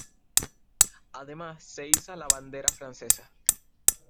Además se iza la bandera francesa.